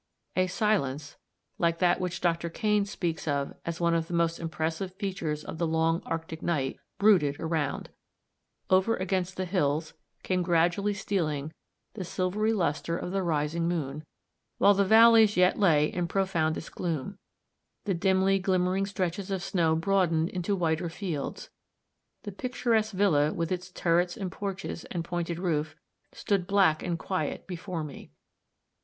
A silence, like that which Dr. Kane speaks of as one of the most impressive features of the long Arctic night, brooded around; over against the hills came gradually stealing the silvery luster of the rising moon, while the valleys yet lay in profoundest gloom; the dimly glimmering stretches of snow broadened into whiter fields; the picturesque villa, with its turrets and porches and pointed roof, stood black and quiet before me.